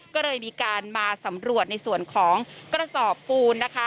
ก็เลยมีการมาสำรวจในส่วนของกระสอบปูนนะคะ